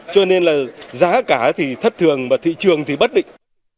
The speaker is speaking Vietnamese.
cho nên là giá cả thì thất thường và thị trường thì bất định